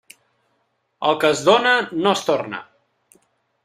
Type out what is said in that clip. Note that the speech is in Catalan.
El que es dóna no es torna.